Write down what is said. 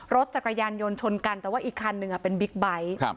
รถจักรยานยนต์ชนกันแต่ว่าอีกคันหนึ่งเป็นบิ๊กไบท์